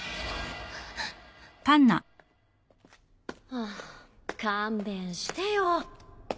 ハァ勘弁してよ。